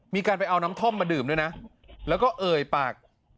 มีการไปเอาน้ำท่อมมาดื่มด้วยนะแล้วก็เอ่ยปาก